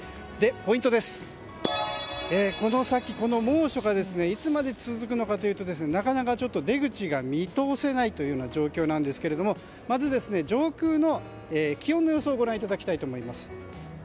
ポイントですが、この先この猛暑がいつまで続くのかなかなか出口が見通せないという状況なんですがまず、上空の気温の予想をご覧いただきたいと思います。